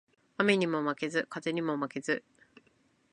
雨ニモ負ケズ、風ニモ負ケズ